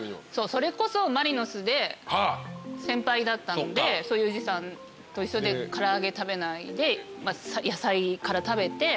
それこそマリノスで先輩だったんで佑二さんと一緒で唐揚げ食べないで野菜から食べて。